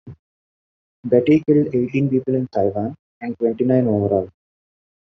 Betty killed eighteen people in Taiwan, and twenty-nine overall.